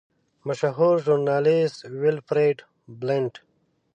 مشهور ژورنالیسټ ویلفریډ بلنټ.